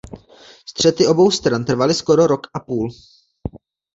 Střety obou stran trvaly skoro rok a půl.